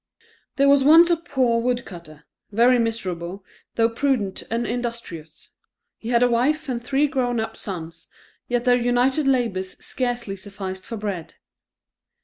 There was once a poor woodcutter, very miserable, though prudent and industrious; he had a wife and three grown up sons, yet their united labours scarcely sufficed for bread.